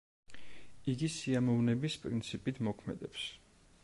იგი სიამოვნების პრინციპით მოქმედებს.